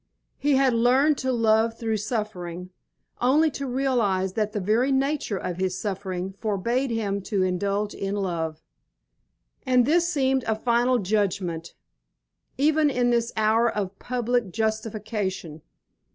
He had learned to love through suffering, only to realise that the very nature of his suffering forbade him to indulge in love. And this seemed a final judgment, even in this hour of public justification.